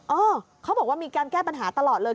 เออเขาบอกว่ามีการแก้ปัญหาตลอดเลย